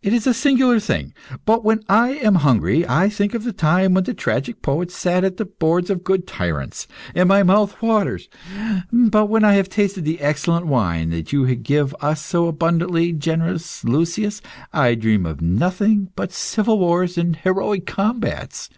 It is a singular thing, but when I am hungry I think of the time when the tragic poets sat at the boards of good tyrants, and my mouth waters. But when I have tasted the excellent wine that you give us so abundantly, generous Lucius, I dream of nothing but civil wars and heroic combats.